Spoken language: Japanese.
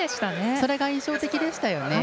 それが印象的でしたよね。